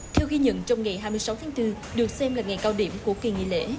theo ghi nhận trong ngày hai mươi sáu tháng bốn được xem là ngày cao điểm của kỳ nghỉ lễ